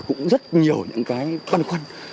cũng rất nhiều những cái băn khoăn